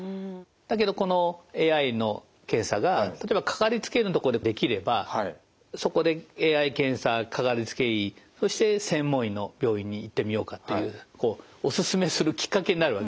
だけどこのＡＩの検査が例えば掛かりつけ医のところでできればそこでＡＩ検査掛かりつけ医そして専門医の病院に行ってみようかっていうこうお勧めするきっかけになるわけですよね。